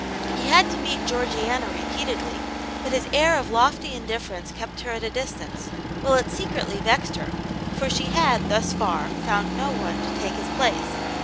He had to meet Georgiana repeat edly, but his air of lofty indifference kept her at a distance, while it secretly vexed her, for she had, thus far, found no one to take his place.